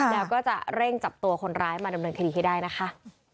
แล้วก็จะเร่งจับตัวคนร้ายมาดำเนินคดีให้ได้นะคะ